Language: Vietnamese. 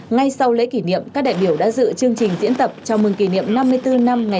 ngay sau lễ kỷ niệm các đại biểu đã dự chương trình diễn tập chào mừng kỷ niệm năm mươi bốn năm ngày